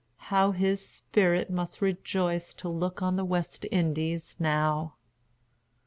How his spirit must rejoice to look on the West Indies now!